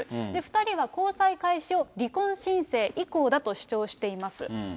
２人は交際開始を離婚申請以降だと主張しています。